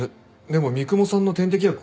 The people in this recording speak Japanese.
でも三雲さんの点滴薬